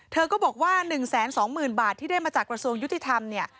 เธอก็บอกว่า๑๒๐๐๐บาทที่ได้มาจากกระทรวงยุติธรรมเนี่ย